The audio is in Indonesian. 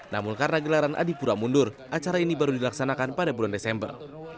namun karena gelaran adipura mundur acara ini baru dilaksanakan pada bulan desember